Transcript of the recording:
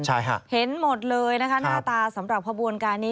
ใช่ค่ะเห็นหมดเลยนะคะหน้าตาสำหรับขบวนการนี้